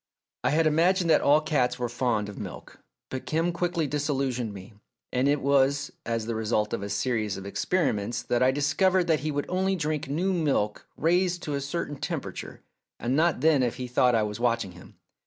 I had imagined that all cats were fond of milk, but Kim quickly disillusioned me, and it was as the result of a series of experiments A DISTINGUISHED GUEST 179 that I discovered that he would only drink new milk raised to a certain temperature, and not then if he thought I was watching him.